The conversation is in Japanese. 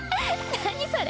何それ！